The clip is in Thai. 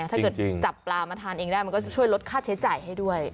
ถ้าเกิดจับปลามาทานเองได้มันก็จะช่วยลดค่าใช้จ่ายให้ด้วย